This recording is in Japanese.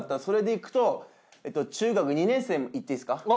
それでいくと中学２年生いっていいですか？